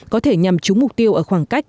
có thể nhằm trúng mục tiêu ở khoảng cách